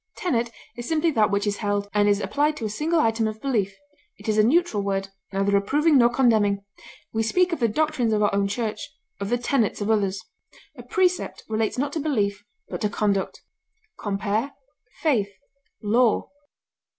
Tenet is simply that which is held, and is applied to a single item of belief; it is a neutral word, neither approving nor condemning; we speak of the doctrines of our own church; of the tenets of others. A precept relates not to belief, but to conduct. Compare FAITH; LAW.